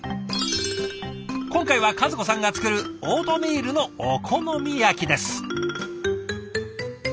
今回は和子さんが作るオートミールのお好み焼きです。